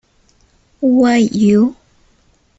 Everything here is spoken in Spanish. Why You?